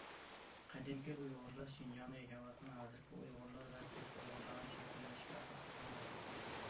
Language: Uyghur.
قەدىمكى ئۇيغۇرلار شىنجاڭدا ياشاۋاتقان ھازىرقى ئۇيغۇرلار ۋە سېرىق ئۇيغۇرلارنىڭ شەكىللىنىشىگە ئاساس بولغان.